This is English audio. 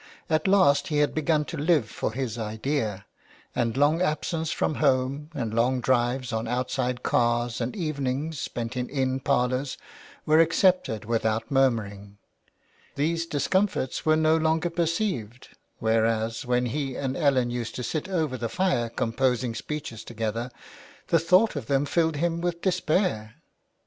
At last he had begun to live for his idea, and long absence from home and long drives on outside cars and evenings spent in inn parlours were accepted without murmuring ; these discomforts were no longer per ceived, whereas when he and Ellen used to sit over the fire composing speeches together, the thought of them filled him with despair.